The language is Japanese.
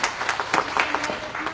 よろしくお願いします。